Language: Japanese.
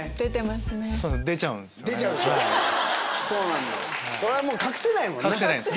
それはもう隠せないもんな。